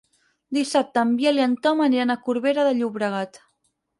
Dissabte en Biel i en Tom aniran a Corbera de Llobregat.